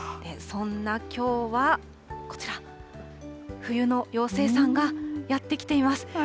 そんなきょうはこちら、冬の妖精さんがやって来ています。